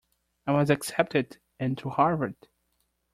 I was accepted into Harvard!